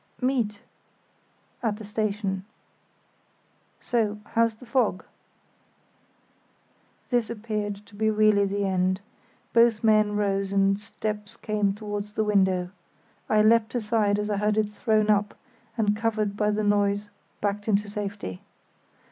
".....meet?" "At the station." "So—how's the fog?" This appeared to be really the end. Both men rose and steps came towards the window. I leapt aside as I heard it thrown up, and covered by the noise backed into safety.